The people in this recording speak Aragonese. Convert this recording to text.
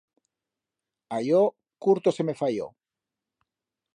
A yo curto se me fayió.